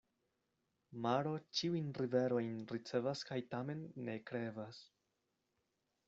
Maro ĉiujn riverojn ricevas kaj tamen ne krevas.